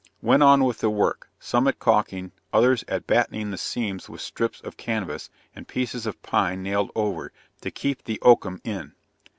Went on with the work, some at caulking, others at battening the seams with strips of canvas, and pieces of pine nailed over, to keep the oakum in.